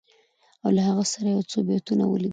او له هغه سره یو څو بیتونه ولیدل